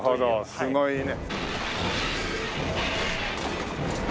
すごいね。